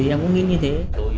em cũng nghĩ như thế